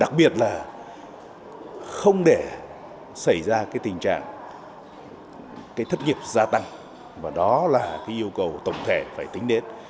đặc biệt là không để xảy ra tình trạng thất nghiệp gia tăng và đó là yêu cầu tổng thể phải tính đến